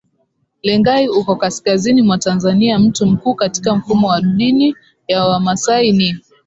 Lengai uko kaskazini mwa Tanzania Mtu mkuu katika mfumo wa dini ya Wamasai ni